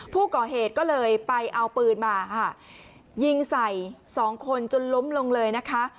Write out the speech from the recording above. ผู้ก่อเหตุก็เลยไปเอาปืนมาค่ะยิงใส่สองคนจนล้มลงเลยนะคะ